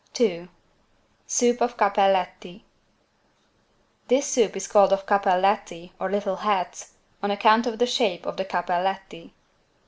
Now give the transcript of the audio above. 2 SOUP OF "CAPPELLETTI" This Soup is called of "=Cappelletti=" or "little hats" on account of the shape of the "=Cappelletti=".